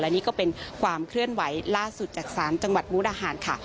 นี่ก็เป็นความเคลื่อนไหวล่าสุดจากศาลจังหวัดมุกดาหารค่ะ